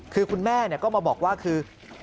คือคุณแม่ก็มาบอกว่าคือ